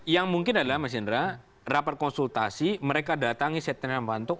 yang mungkin adalah mas yendra rapat konsultasi mereka datang ke setenar pantuk